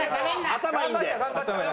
頭いいんで。